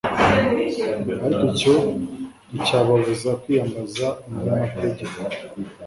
ariko icyo nticyababuza kwiyambaza umunyamategeko